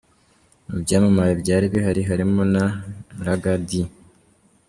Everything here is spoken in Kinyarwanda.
Mu byamamare byari bihari harimo na Ragga Dee.